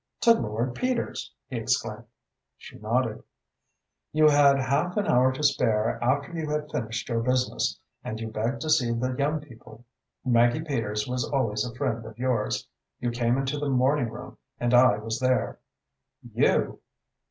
"To Lord Peters!" he exclaimed. She nodded. "You had half an hour to spare after you had finished your business, and you begged to see the young people. Maggie Peters was always a friend of yours. You came into the morning room and I was there." "You?"